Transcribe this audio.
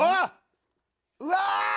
うわ！